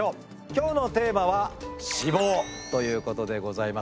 今日のテーマは「脂肪」ということでございます。